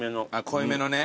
濃いめのね。